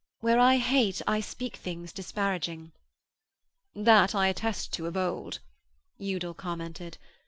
'Where I hate I speak things disparaging.' 'That I attest to of old,' Udal commented.